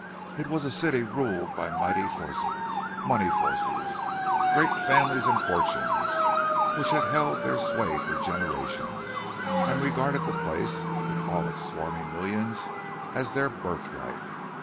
It was a city ruled by mighty forces—money forces; great families and fortunes, which had held their sway for generations, and regarded the place, with all its swarming millions, as their birthright.